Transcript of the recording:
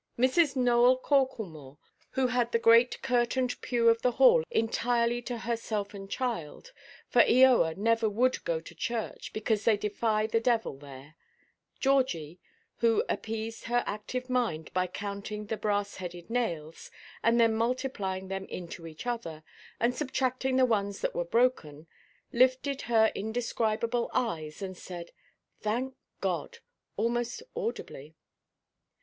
Mrs. Nowell Corklemore, who had the great curtained pew of the Hall entirely to herself and child—for Eoa never would go to church, because they defy the devil there—Georgie, who appeased her active mind by counting the brass–headed nails, and then multiplying them into each other, and subtracting the ones that were broken, lifted her indescribable eyes, and said, "Thank God," almost audibly.